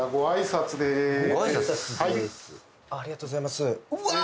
ありがとうございますうわー！